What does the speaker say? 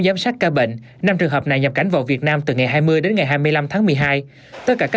giám sát ca bệnh năm trường hợp này nhập cảnh vào việt nam từ ngày hai mươi đến ngày hai mươi năm tháng một mươi hai tất cả các